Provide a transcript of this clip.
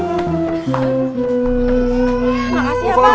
makasih ya pak